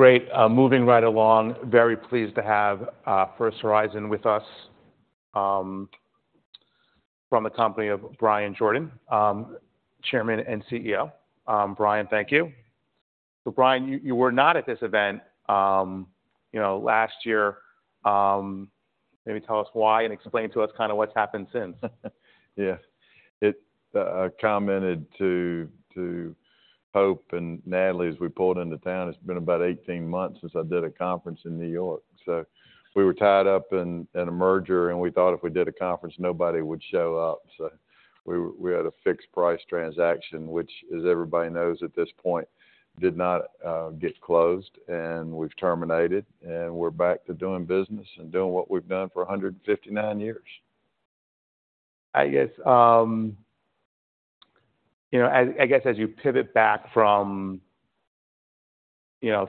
Great. Moving right along. Very pleased to have First Horizon with us, from the company of Bryan Jordan, Chairman and CEO. Bryan, thank you. So Bryan, you were not at this event last year. Maybe tell us why, and explain to us kind of what's happened since. Yeah. It, I commented to, to Hope and Natalie as we pulled into town, it's been about 18 months since I did a conference in New York. So we were tied up in, in a merger, and we thought if we did a conference, nobody would show up. So we, we had a fixed price transaction, which, as everybody knows at this point, did not, get closed, and we've terminated, and we're back to doing business and doing what we've done for 159 years. I guess I, I guess as you pivot back from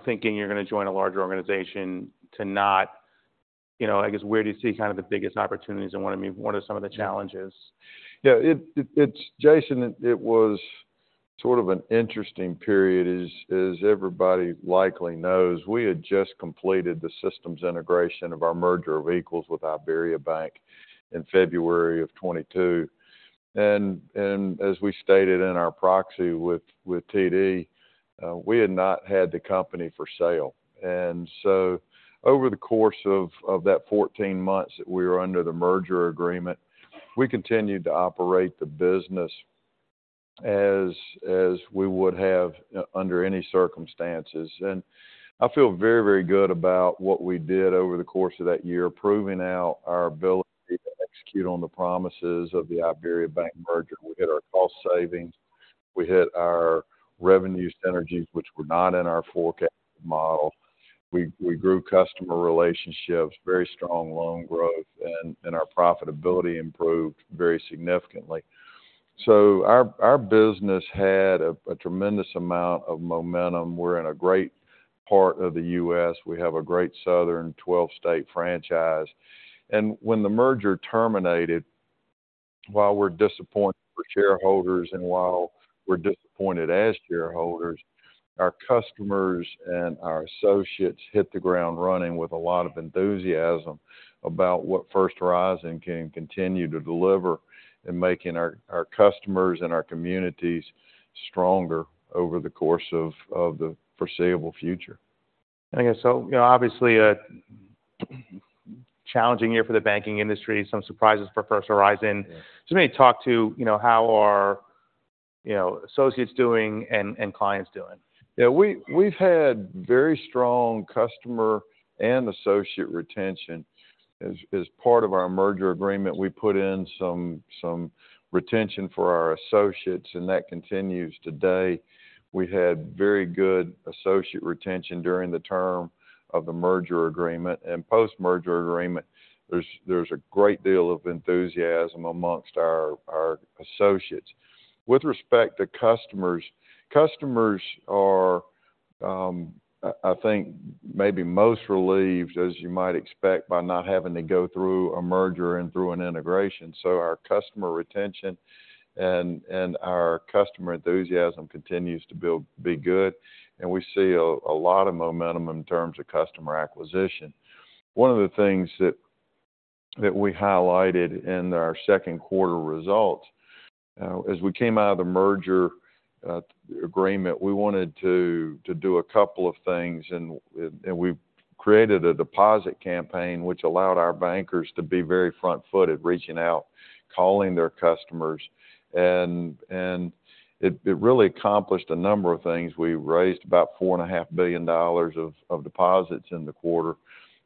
thinking you're going to join a larger organization to not I guess, where do you see kind of the biggest opportunities, and what I mean, what are some of the challenges? Yeah, it's Jason. It was sort of an interesting period. As everybody likely knows, we had just completed the systems integration of our merger of equals with IBERIABANK in February 2022. And as we stated in our proxy with TD, we had not had the company for sale. And so over the course of that 14 months that we were under the merger agreement, we continued to operate the business as we would have under any circumstances. And I feel very, very good about what we did over the course of that year, proving out our ability to execute on the promises of the IBERIABANK merger. We hit our cost savings, we hit our revenue synergies, which were not in our forecast model. We grew customer relationships, very strong loan growth, and our profitability improved very significantly. So our business had a tremendous amount of momentum. We're in a great part of the U.S. We have a great southern twelve-state franchise, and when the merger terminated, while we're disappointed for shareholders and while we're disappointed as shareholders, our customers and our associates hit the ground running with a lot of enthusiasm about what First Horizon can continue to deliver in making our customers and our communities stronger over the course of the foreseeable future. I guess so obviously a challenging year for the banking industry. Some surprises for First Horizon. Yeah. So, maybe talk to how are associates doing and clients doing? Yeah, we've had very strong customer and associate retention. As part of our merger agreement, we put in some retention for our associates, and that continues today. We had very good associate retention during the term of the merger agreement. Post-merger agreement, there's a great deal of enthusiasm amongst our associates. With respect to customers, customers are, I think maybe most relieved, as you might expect, by not having to go through a merger and through an integration. So our customer retention and our customer enthusiasm continues to build to be good, and we see a lot of momentum in terms of customer acquisition. One of the things that we highlighted in our Q2 results, as we came out of the merger agreement, we wanted to do a couple of things, and we created a deposit campaign, which allowed our bankers to be very front-footed, reaching out, calling their customers, and it really accomplished a number of things. We raised about $4.5 billion of deposits in the quarter,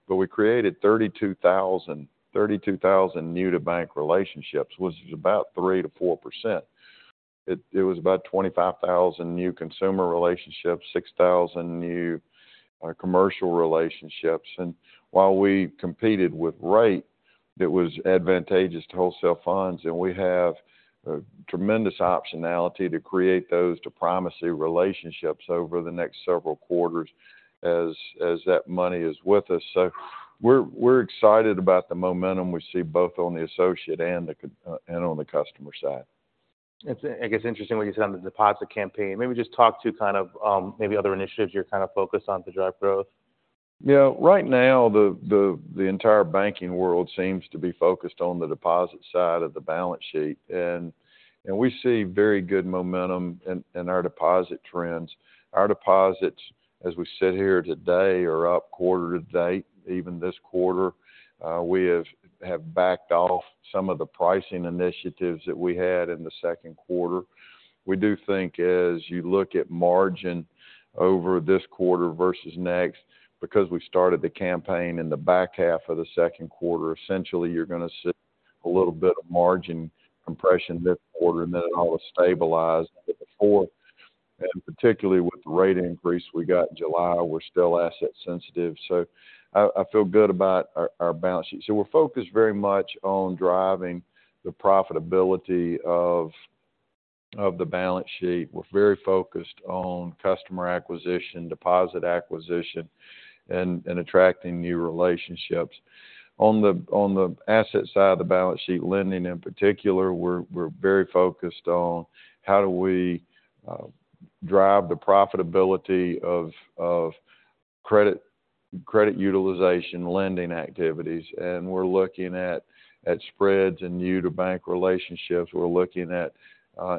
but we created 32,000 new-to-bank relationships, which is about 3%-4%. It was about 25,000 new consumer relationships, 6,000 new commercial relationships. And while we competed with rate, that was advantageous to wholesale funds, and we have a tremendous optionality to create those diplomacy relationships over the next several quarters as that money is with us. So we're excited about the momentum we see both on the associate and on the customer side. It's, I guess, interesting what you said on the deposit campaign. Maybe just talk to kind of, maybe other initiatives you're kind of focused on to drive growth. , right now, the entire banking world seems to be focused on the deposit side of the balance sheet, and we see very good momentum in our deposit trends. Our deposits, as we sit here today, are up quarter to date. Even this quarter, we have backed off some of the pricing initiatives that we had in the Q2. We do think as you look at margin over this quarter versus next, because we started the campaign in the back half of the Q2, essentially, you're going to see a little bit of margin compression this quarter, and then it all is stabilized in the fourth. And particularly with the rate increase we got in July, we're still asset sensitive, so I feel good about our balance sheet. So we're focused very much on driving the profitability of the balance sheet. We're very focused on customer acquisition, deposit acquisition and attracting new relationships. On the asset side of the balance sheet, lending in particular, we're very focused on how do we drive the profitability of credit utilization, lending activities, and we're looking at spreads and new to bank relationships. We're looking at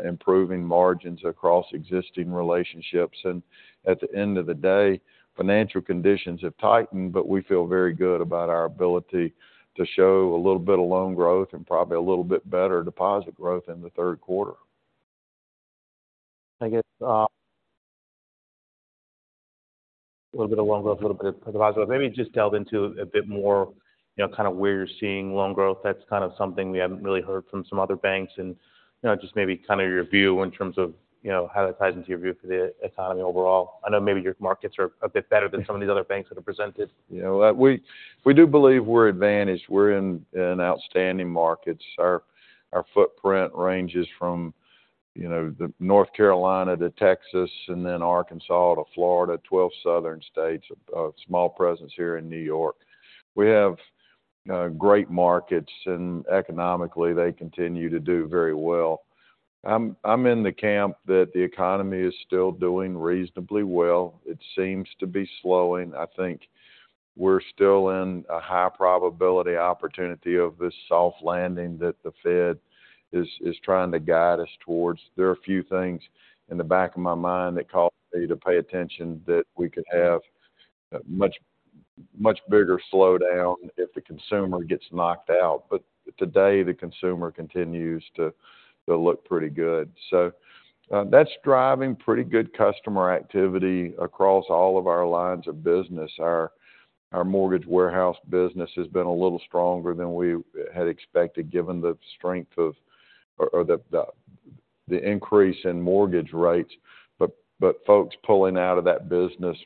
improving margins across existing relationships, and at the end of the day, financial conditions have tightened, but we feel very good about our ability to show a little bit of loan growth and probably a little bit better deposit growth in the Q3. I guess a little bit of loan growth, a little bit of deposit. Maybe just delve into a bit more kind of where you're seeing loan growth. That's kind of something we haven't really heard from some other banks and just maybe kind of your view in terms of how that ties into your view for the economy overall. I know maybe your markets are a bit better than some of these other banks that have presented., we do believe we're advantaged. We're in outstanding markets. Our footprint ranges from the North Carolina to Texas and then Arkansas to Florida, 12 southern states, a small presence here in New York. We have great markets, and economically, they continue to do very well. I'm in the camp that the economy is still doing reasonably well. It seems to be slowing. I think we're still in a high probability opportunity of this soft landing that the Fed is trying to guide us towards. There are a few things in the back of my mind that cause me to pay attention, that we could have a much bigger slowdown if the consumer gets knocked out. But today, the consumer continues to look pretty good. So, that's driving pretty good customer activity across all of our lines of business. Our mortgage warehouse business has been a little stronger than we had expected, given the strength of, or the increase in mortgage rates. But folks pulling out of that business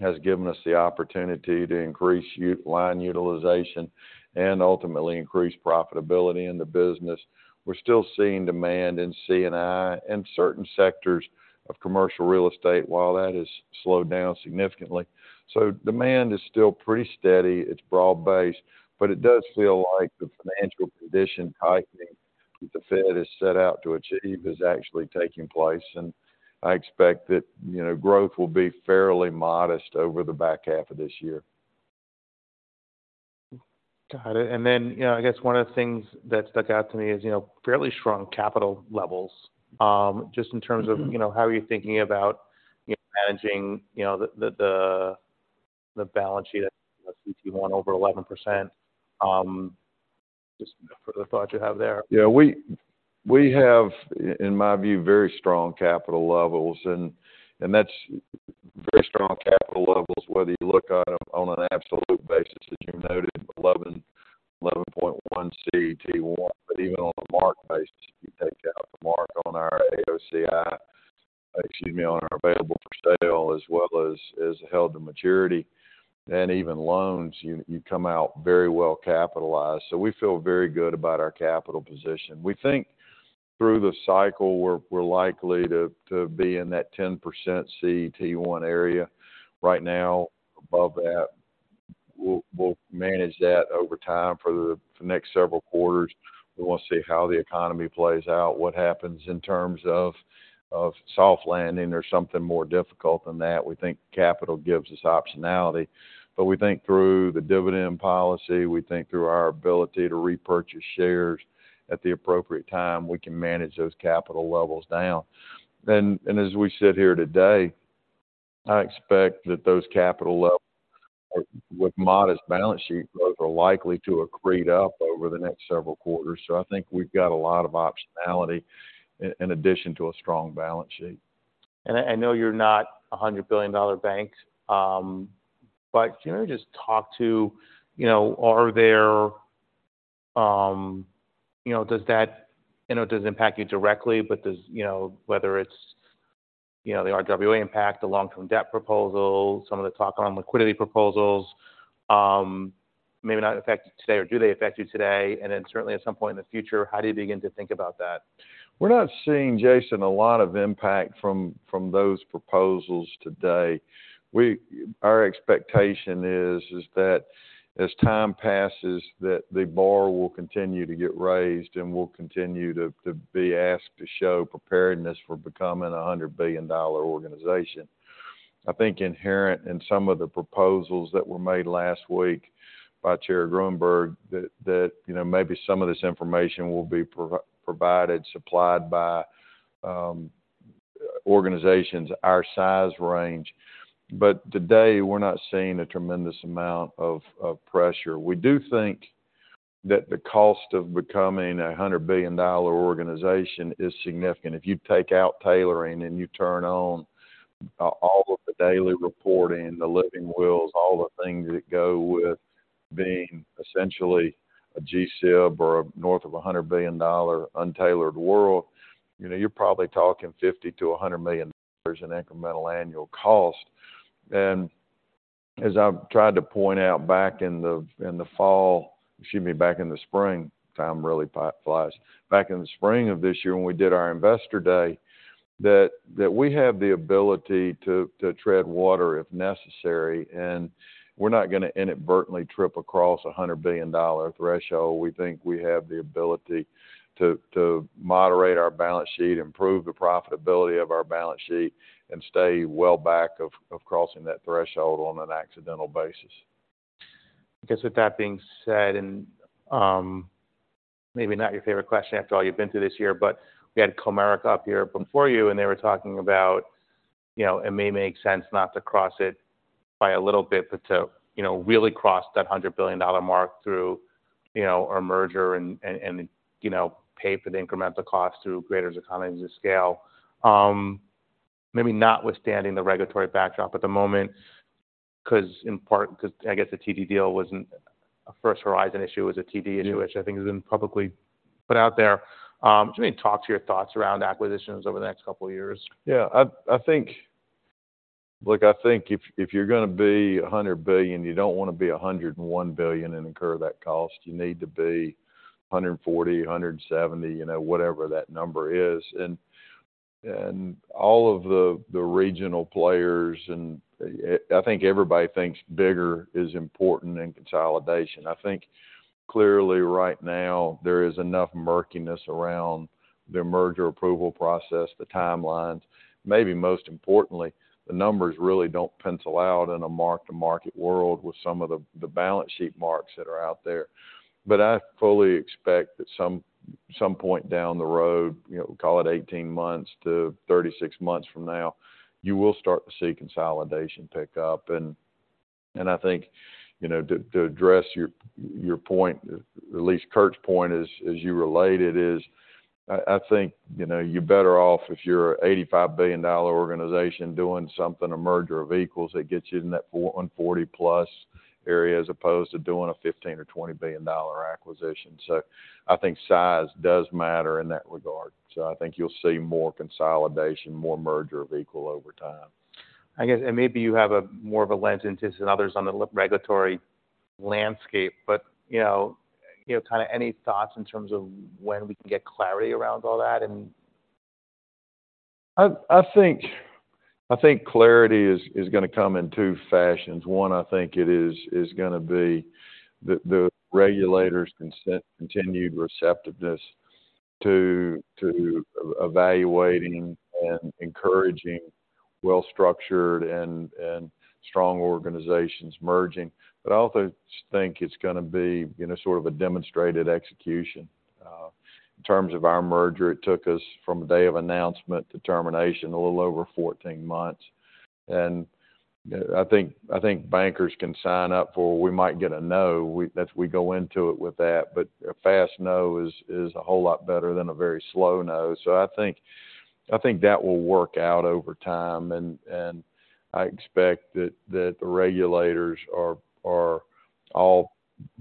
has given us the opportunity to increase line utilization and ultimately increase profitability in the business. We're still seeing demand in C&I and certain sectors of commercial real estate, while that has slowed down significantly. So demand is still pretty steady, it's broad-based, but it does feel like the financial condition tightening that the Fed has set out to achieve is actually taking place, and I expect that growth will be fairly modest over the back half of this year. Got it. And then I guess one of the things that stuck out to me is fairly strong capital levels. Just in terms of- Mm-hmm., how are you thinking about managing the balance sheet, the CET1 over 11%? Just further thoughts you have there. Yeah, we, we have, in my view, very strong capital levels, and, and that's very strong capital levels, whether you look at them on an absolute basis, as you noted, 11, 11.1 CET1. But even on a mark basis, if you take out the mark on our AOCI, excuse me, on our available for sale, as well as, as held to maturity and even loans, you, you come out very well capitalized. So we feel very good about our capital position. We think through the cycle, we're, we're likely to, to be in that 10% CET1 area. Right now, above that. We'll, we'll manage that over time for the next several quarters. We want to see how the economy plays out, what happens in terms of, of soft landing or something more difficult than that. We think capital gives us optionality, but we think through the dividend policy, we think through our ability to repurchase shares at the appropriate time, we can manage those capital levels down. And as we sit here today, I expect that those capital levels, with modest balance sheet growth, are likely to accrete up over the next several quarters. So I think we've got a lot of optionality in addition to a strong balance sheet. And I know you're not a $100 billion bank, but can you just talk to are there... , does that, I know it doesn't impact you directly, but does whether it's the RWA impact, the long-term debt proposal, some of the talk on liquidity proposals, maybe not affect you today, or do they affect you today? And then certainly at some point in the future, how do you begin to think about that? We're not seeing, Jason, a lot of impact from those proposals today. Our expectation is that as time passes, that the bar will continue to get raised, and we'll continue to be asked to show preparedness for becoming a $100 billion organization. I think inherent in some of the proposals that were made last week by Chair Gruenberg, that, maybe some of this information will be provided, supplied by organizations our size range. But today, we're not seeing a tremendous amount of pressure. We do think that the cost of becoming a $100 billion organization is significant. If you take out tailoring, and you turn on all of the daily reporting, the living wills, all the things that go with being essentially a GSIB or north of a $100 billion untailored world you're probably talking $50-$100 million in incremental annual cost. And as I've tried to point out back in the fall, excuse me, back in the spring, time really fly, flies. Back in the spring of this year when we did our Investor Day, that we have the ability to tread water if necessary, and we're not gonna inadvertently trip across a $100 billion dollar threshold. We think we have the ability to moderate our balance sheet, improve the profitability of our balance sheet, and stay well back of crossing that threshold on an accidental basis. I guess with that being said, and maybe not your favorite question after all you've been through this year, but we had Comerica up here before you, and they were talking about it may make sense not to cross it by a little bit, but to really cross that $100 billion mark through a merger and, and pay for the incremental cost through greater economies of scale. Maybe notwithstanding the regulatory backdrop at the moment, 'cause in part, 'cause I guess the TD deal wasn't a First Horizon issue, it was a TD issue- Yeah -which I think has been publicly put out there. Can you talk to your thoughts around acquisitions over the next couple of years? Yeah, I think—Look, I think if you're gonna be $100 billion, you don't want to be $101 billion and incur that cost. You need to be $140 billion, $170 billion whatever that number is. And all of the regional players, and I think everybody thinks bigger is important than consolidation. I think clearly right now, there is enough murkiness around the merger approval process, the timelines. Maybe most importantly, the numbers really don't pencil out in a mark-to-market world with some of the balance sheet marks that are out there. But I fully expect that some point down the road call it 18 months to 36 months from now, you will start to see consolidation pick up. I think to address your point, at least Curt point, as you relate it, I think you're better off if you're an $85 billion organization doing something, a merger of equals, that gets you in that 440+ area, as opposed to doing a $15 billion or $20 billion acquisition. So I think size does matter in that regard. So I think you'll see more consolidation, more merger of equal over time. I guess, and maybe you have more of a lens into this than others on the re-regulatory landscape, but kind of any thoughts in terms of when we can get clarity around all that, and...? I think clarity is gonna come in two fashions. One, I think it is gonna be the regulators' continued receptiveness to evaluating and encouraging well-structured and strong organizations merging. But I also think it's gonna be sort of a demonstrated execution. In terms of our merger, it took us from the day of announcement to termination, a little over 14 months. And I think bankers can sign up for, We might get a no. That we go into it with that, but a fast no is a whole lot better than a very slow no. So I think that will work out over time, and I expect that the regulators are all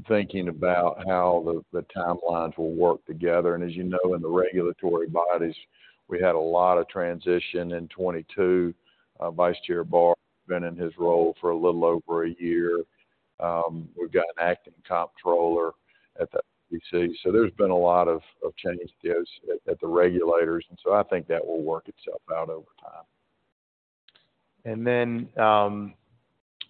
thinking about how the timelines will work together. As, in the regulatory bodies, we had a lot of transition in 2022. Vice Chair Barr been in his role for a little over a year. We've got an acting Comptroller at the OCC, so there's been a lot of change at the regulators, and so I think that will work itself out over time. And then,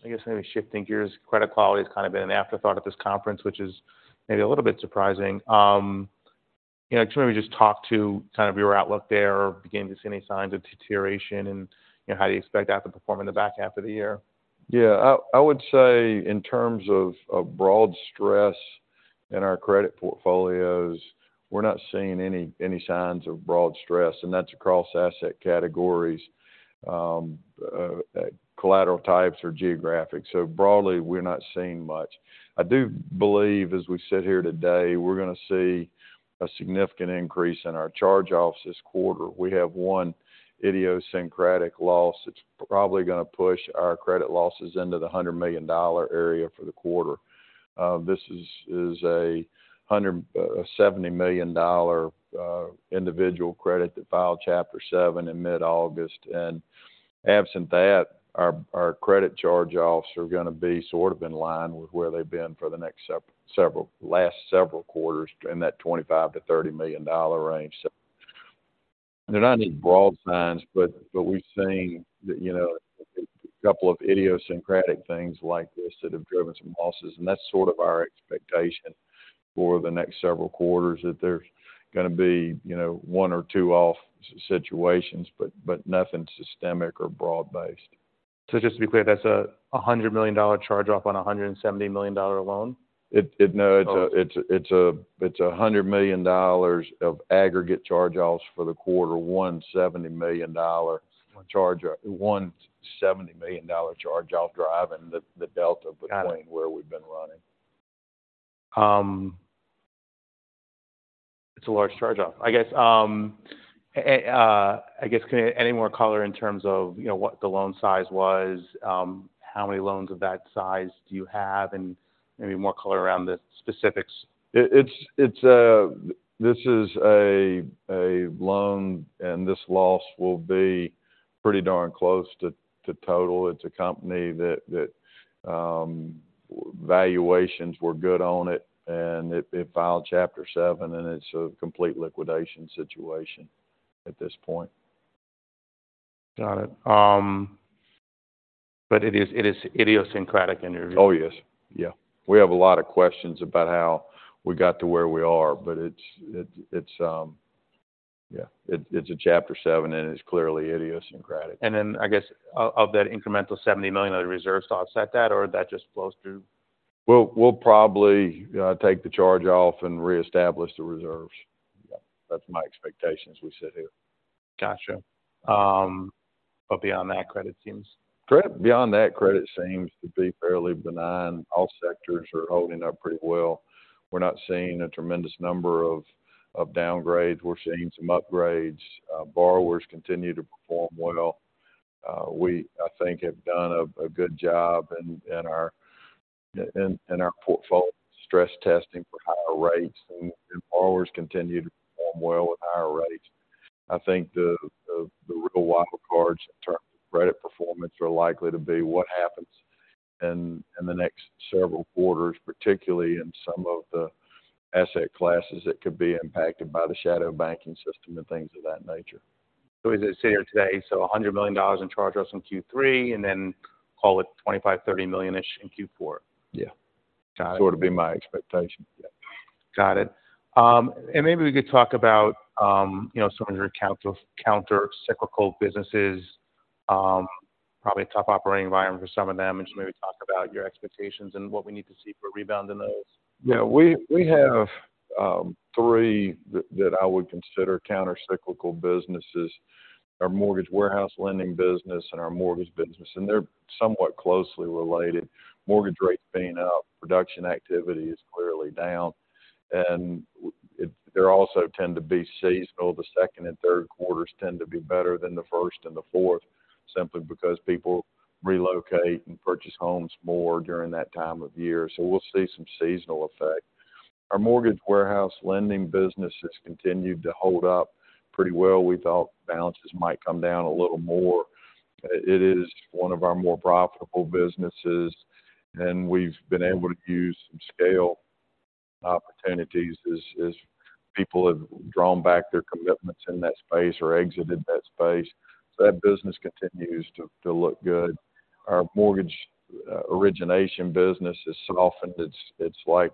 I guess maybe shifting gears, credit quality has kind of been an afterthought at this conference, which is maybe a little bit surprising., can we just talk to kind of your outlook there, or beginning to see any signs of deterioration, and how do you expect that to perform in the back half of the year? Yeah. I would say in terms of broad stress in our credit portfolios, we're not seeing any signs of broad stress, and that's across asset categories, collateral types, or geographies. So broadly, we're not seeing much. I do believe as we sit here today, we're gonna see a significant increase in our charge-offs this quarter. We have one idiosyncratic loss that's probably gonna push our credit losses into the $100 million area for the quarter. This is a $170 million individual credit that filed Chapter Seven in mid-August, and absent that, our credit charge-offs are gonna be sort of in line with where they've been for the last several quarters in that $25 million-$30 million range. So they're not any broad signs, but we've seen a couple of idiosyncratic things like this that have driven some losses, and that's sort of our expectation for the next several quarters, that there's gonna be one or two off situations, but nothing systemic or broad-based. So just to be clear, that's a $100 million charge-off on a $170 million loan? It, it... No- Oh. It's a $100 million of aggregate charge-offs for the quarter. $170 million dollar charge, $170 million dollar charge-off, driving the delta- Got it between where we've been running. It's a large charge-off. I guess, any more color in terms of what the loan size was? How many loans of that size do you have, and maybe more color around the specifics. It's a loan, and this loss will be pretty darn close to total. It's a company that valuations were good on it, and it filed Chapter Seven, and it's a complete liquidation situation at this point. Got it. But it is, it is idiosyncratic in your view? Oh, yes. Yeah. We have a lot of questions about how we got to where we are, but it's, yeah, it's a Chapter Seven, and it's clearly idiosyncratic. And then, I guess, of that incremental $70 million of reserves to offset that, or that just flows through? We'll probably take the charge off and reestablish the reserves. Yeah, that's my expectation as we sit here. Got you. But beyond that, credit seems- Credit, beyond that, credit seems to be fairly benign. All sectors are holding up pretty well. We're not seeing a tremendous number of downgrades. We're seeing some upgrades. Borrowers continue to perform well. We, I think, have done a good job in our portfolio stress testing for higher rates, and borrowers continue to perform well with higher rates. I think the real wild cards in terms of credit performance are likely to be what happens in the next several quarters, particularly in some of the asset classes that could be impacted by the shadow banking system and things of that nature. So as it sits here today, $100 million in charge-offs in Q3, and then call it $25-$30 million-ish in Q4? Yeah. Got it. Sort of be my expectation, yeah. Got it. And maybe we could talk about some of your countercyclical businesses. Probably a tough operating environment for some of them, and just maybe talk about your expectations and what we need to see for a rebound in those. Yeah, we have three that I would consider countercyclical businesses. Our mortgage warehouse lending business and our mortgage business, and they're somewhat closely related. Mortgage rates being up, production activity is clearly down, and they also tend to be seasonal. The second and Q3 tend to be better than the first and the fourth, simply because people relocate and purchase homes more during that time of year. So we'll see some seasonal effect. Our mortgage warehouse lending business has continued to hold up pretty well. We thought balances might come down a little more. It is one of our more profitable businesses, and we've been able to use some scale opportunities as people have drawn back their commitments in that space or exited that space. So that business continues to look good. Our mortgage origination business is softened. It's, it's like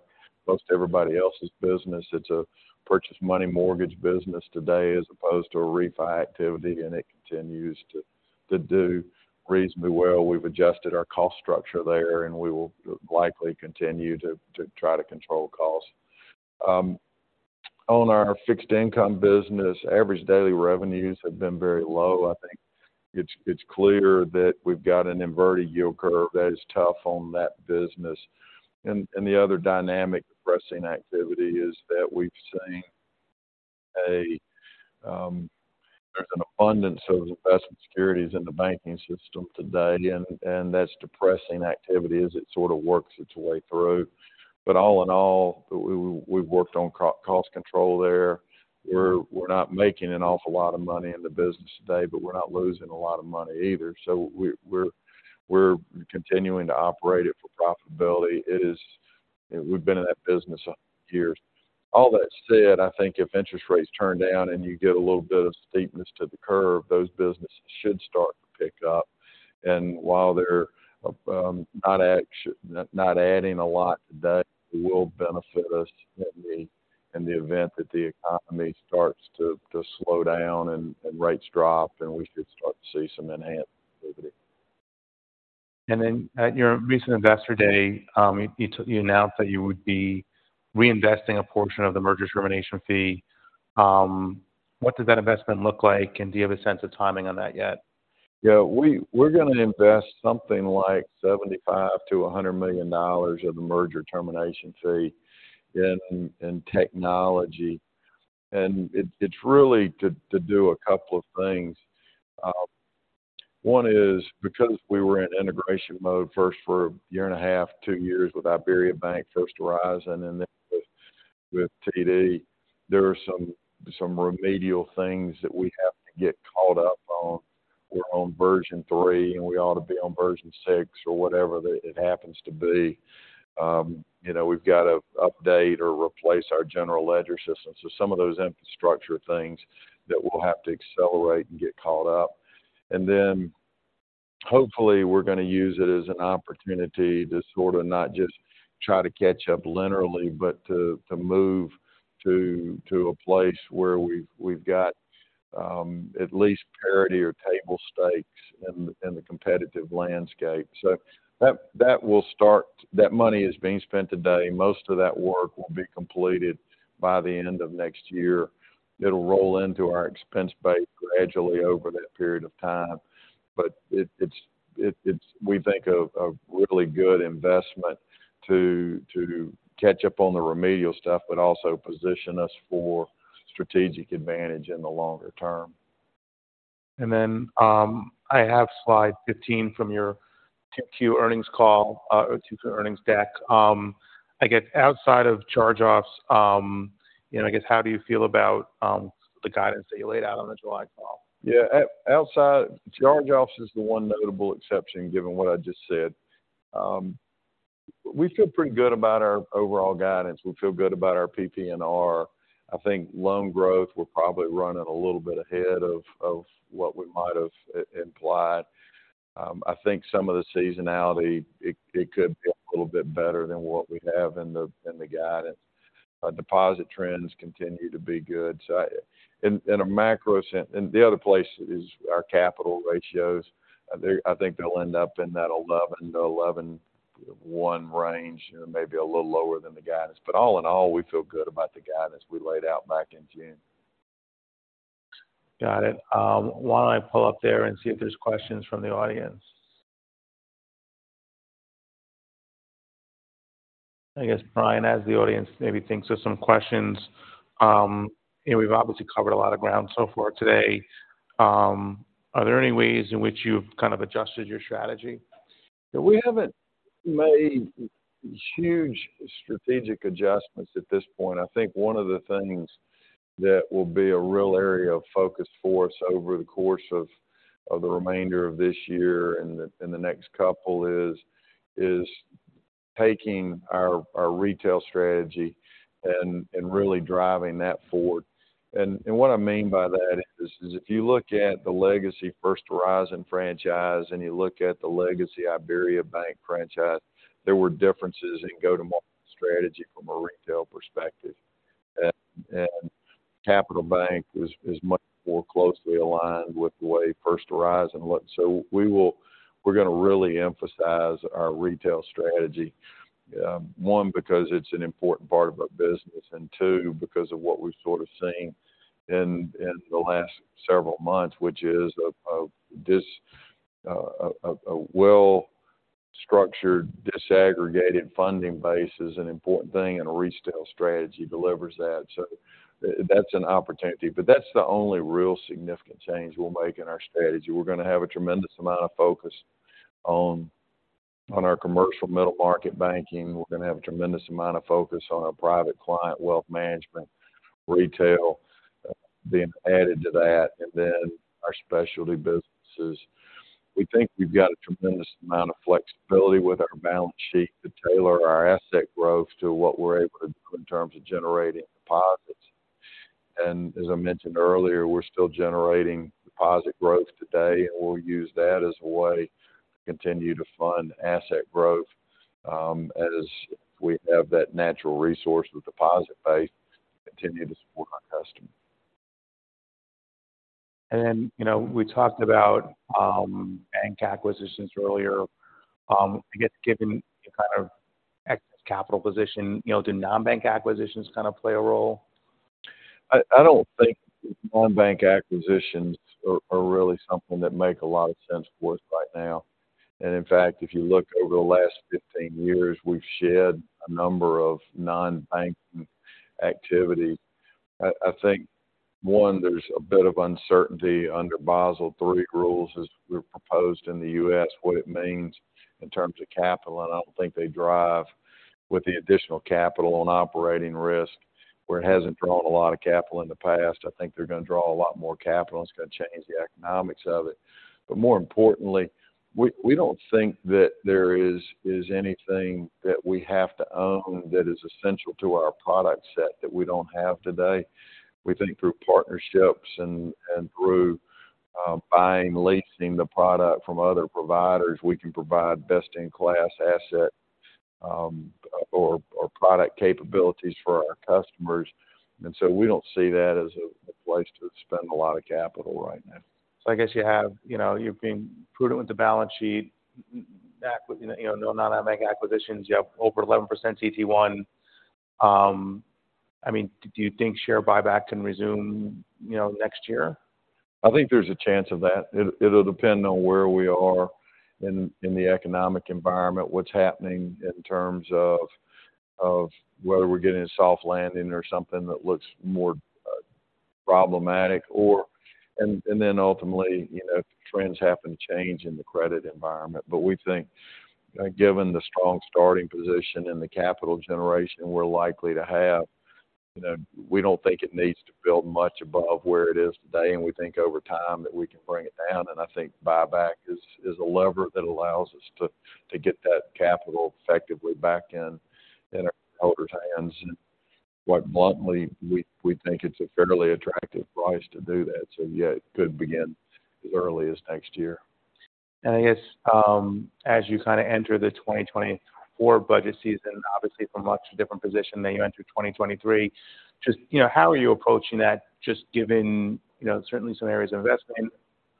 most everybody else's business. It's a purchase money mortgage business today, as opposed to a refi activity, and it continues to, to do reasonably well. We've adjusted our cost structure there, and we will likely continue to, to try to control costs. On our fixed income business, average daily revenues have been very low. I think it's, it's clear that we've got an inverted yield curve that is tough on that business. And, and the other dynamic depressing activity is that we've seen a... There's an abundance of investment securities in the banking system today, and, and that's depressing activity as it sort of works its way through. But all in all, we, we've worked on cost control there. We're, we're not making an awful lot of money in the business today, but we're not losing a lot of money either. So we're continuing to operate it for profitability. It is... We've been in that business for years. All that said, I think if interest rates turn down and you get a little bit of steepness to the curve, those businesses should start to pick up. And while they're not adding a lot today, will benefit us in the event that the economy starts to slow down and rates drop, and we should start to see some enhancement activity. Then at your recent Investor Day, you announced that you would be reinvesting a portion of the merger termination fee. What does that investment look like, and do you have a sense of timing on that yet? Yeah, we're going to invest something like $75 million-$100 million of the merger termination fee in technology, and it's really to do a couple of things. One is because we were in integration mode first for a year and a half, two years, with IBERIABANK, First Horizon, and then with TD, there are some remedial things that we have to get caught up on. We're on version 3, and we ought to be on version 6 or whatever it happens to be., we've got to update or replace our general ledger system. So some of those infrastructure things that we'll have to accelerate and get caught up. And then, hopefully, we're going to use it as an opportunity to sort of not just try to catch up linearly, but to move to a place where we've got at least parity or table stakes in the competitive landscape. So that will start. That money is being spent today. Most of that work will be completed by the end of next year. It'll roll into our expense base gradually over that period of time, but it's we think a really good investment to catch up on the remedial stuff, but also position us for strategic advantage in the longer term. Then, I have slide 15 from your Q2 earnings call or Q2 earnings deck. I guess outside of charge-offs I guess, how do you feel about the guidance that you laid out on the July call? Yeah, outside charge-offs is the one notable exception, given what I just said. We feel pretty good about our overall guidance. We feel good about our PPNR. I think loan growth will probably run it a little bit ahead of, of what we might have implied. I think some of the seasonality, it, it could be a little bit better than what we have in the, in the guidance. Our deposit trends continue to be good. So I, in, in a macro sense, and the other place is our capital ratios. I think, I think they'll end up in that 11-11.1 range, and maybe a little lower than the guidance. But all in all, we feel good about the guidance we laid out back in June. Got it. Why don't I pull up there and see if there's questions from the audience? I guess, Bryan, as the audience maybe thinks of some questions we've obviously covered a lot of ground so far today. Are there any ways in which you've kind of adjusted your strategy? We haven't made huge strategic adjustments at this point. I think one of the things that will be a real area of focus for us over the course of the remainder of this year and the next couple is taking our retail strategy and really driving that forward. And what I mean by that is if you look at the legacy First Horizon franchise, and you look at the legacy IberiaBank franchise, there were differences in go-to-market strategy from a retail perspective. And Capital Bank is much more closely aligned with the way First Horizon looks. So we're going to really emphasize our retail strategy. One, because it's an important part of our business, and two, because of what we've sort of seen in the last several months, which is a well-structured, disaggregated funding base is an important thing, and a retail strategy delivers that. So that's an opportunity. But that's the only real significant change we'll make in our strategy. We're going to have a tremendous amount of focus on our commercial middle market banking. We're going to have a tremendous amount of focus on our private client wealth management, retail, being added to that, and then our specialty businesses. We think we've got a tremendous amount of flexibility with our balance sheet to tailor our asset growth to what we're able to do in terms of generating deposits. As I mentioned earlier, we're still generating deposit growth today, and we'll use that as a way to continue to fund asset growth, as we have that natural resource, the deposit base, continue to support our customers., we talked about bank acquisitions earlier. I guess, given the kind of excess capital position do non-bank acquisitions kind of play a role? I don't think non-bank acquisitions are really something that make a lot of sense for us right now. In fact, if you look over the last 15 years, we've shed a number of non-banking activities. I think there's a bit of uncertainty under Basel III rules as were proposed in the U.S., what it means in terms of capital, and I don't think they drive with the additional capital on operating risk, where it hasn't drawn a lot of capital in the past. I think they're going to draw a lot more capital, and it's going to change the economics of it. But more importantly, we don't think that there is anything that we have to own that is essential to our product set that we don't have today. We think through partnerships and through buying, leasing the product from other providers, we can provide best-in-class asset or product capabilities for our customers. And so we don't see that as a place to spend a lot of capital right now. So I guess you have you've been prudent with the balance sheet no non-bank acquisitions, you have over 11% CET1. I mean, do you think share buyback can resume next year? I think there's a chance of that. It'll depend on where we are in the economic environment, what's happening in terms of whether we're getting a soft landing or something that looks more problematic, or... And then ultimately if trends happen to change in the credit environment. But we think, given the strong starting position and the capital generation we're likely to have we don't think it needs to build much above where it is today, and we think over time that we can bring it down. And I think buyback is a lever that allows us to get that capital effectively back in our holders' hands. And quite bluntly, we think it's a fairly attractive price to do that, so yeah, it could begin as early as next year. I guess, as you kind of enter the 2024 budget season, obviously from much different position than you entered 2023, just how are you approaching that, just given certainly some areas of investment,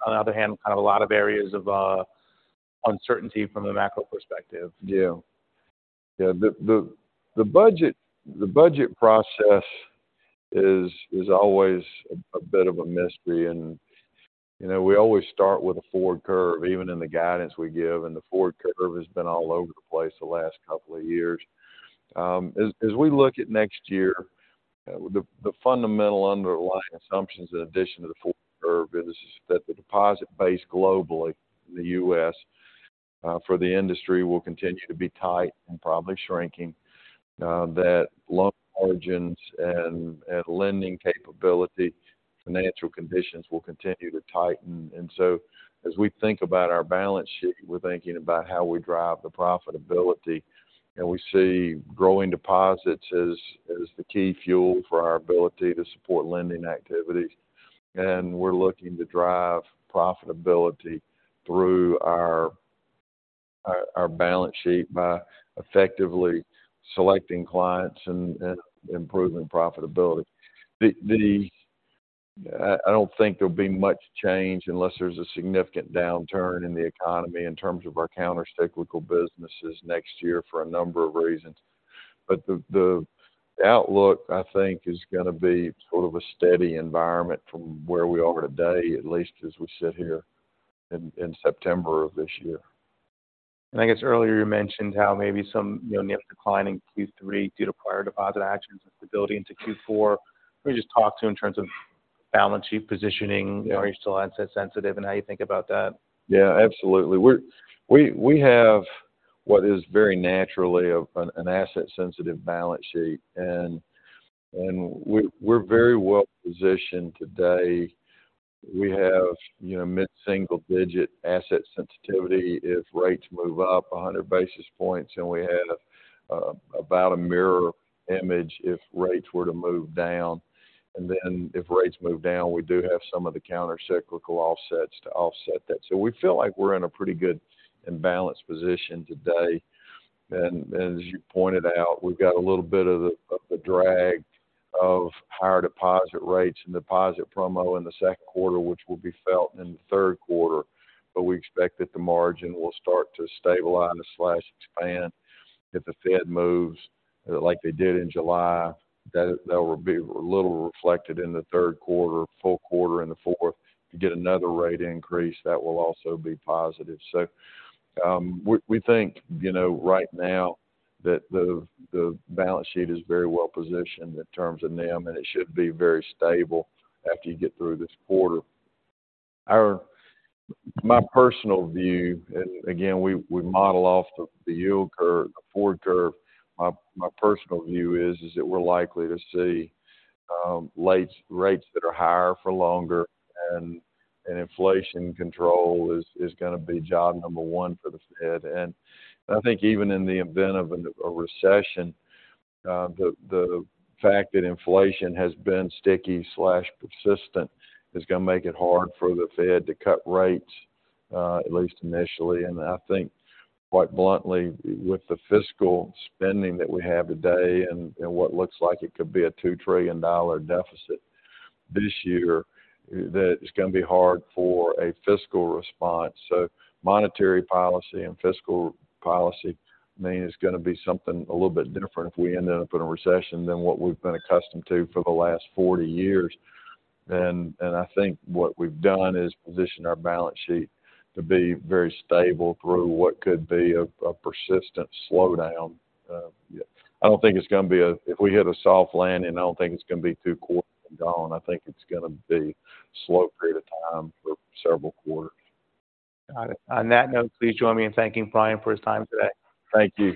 on the other hand, kind of a lot of areas of, uncertainty from the macro perspective? Yeah. Yeah, the budget process is always a bit of a mystery and we always start with a forward curve, even in the guidance we give, and the forward curve has been all over the place the last couple of years. As we look at next year, the fundamental underlying assumptions, in addition to the forward curve, is that the deposit base globally, the U.S., for the industry, will continue to be tight and probably shrinking. That loan origins and lending capability, financial conditions will continue to tighten. And so as we think about our balance sheet, we're thinking about how we drive the profitability, and we see growing deposits as the key fuel for our ability to support lending activities. We're looking to drive profitability through our balance sheet by effectively selecting clients and improving profitability. I don't think there'll be much change unless there's a significant downturn in the economy in terms of our countercyclical businesses next year for a number of reasons. But the outlook, I think, is going to be sort of a steady environment from where we are today, at least as we sit here in September of this year. I guess earlier you mentioned how maybe some NIM declining in Q3 due to prior deposit actions and stability into Q4. Can you just talk to in terms of balance sheet positioning? Yeah. Are you still asset sensitive, and how you think about that? Yeah, absolutely. We have what is very naturally an asset-sensitive balance sheet, and we are very well positioned today. We have mid-single-digit asset sensitivity if rates move up 100 basis points, and we have about a mirror image if rates were to move down. And then if rates move down, we do have some of the countercyclical offsets to offset that. So we feel like we're in a pretty good and balanced position today. And as you pointed out, we've got a little bit of the drag of higher deposit rates and deposit promo in the Q2, which will be felt in the Q3, but we expect that the margin will start to stabilize slash expand. If the Fed moves like they did in July, that will be a little reflected in the Q3, full quarter in the fourth. You get another rate increase, that will also be positive. So, we think right now that the balance sheet is very well positioned in terms of NIM, and it should be very stable after you get through this quarter. My personal view, and again, we model off the yield curve, the forward curve. My personal view is that we're likely to see rates that are higher for longer, and inflation control is going to be job number one for the Fed. I think even in the event of a recession, the fact that inflation has been sticky slash persistent is going to make it hard for the Fed to cut rates, at least initially. I think, quite bluntly, with the fiscal spending that we have today and what looks like it could be a $2 trillion deficit this year, that it's going to be hard for a fiscal response. Monetary policy and fiscal policy mean it's going to be something a little bit different if we end up in a recession than what we've been accustomed to for the last 40 years. I think what we've done is position our balance sheet to be very stable through what could be a persistent slowdown. Yeah, I don't think it's going to be. If we hit a soft landing, I don't think it's going to be Q2 and gone. I think it's going to be a slow period of time for several quarters. Got it. On that note, please join me in thanking Bryan for his time today. Thank you.